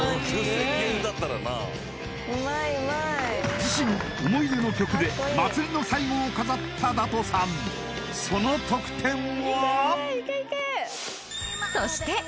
自身思い出の曲で祭りの最後を飾ったダトさんその得点は？